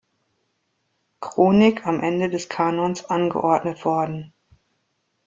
Chronik am Ende des Kanons angeordnet worden.